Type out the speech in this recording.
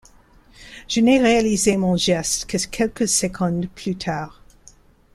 Je n’ai réalisé mon geste que quelques secondes plus tard.